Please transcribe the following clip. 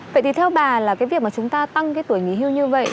vậy thì theo bà là cái việc mà chúng ta tăng cái tuổi nghỉ hưu như vậy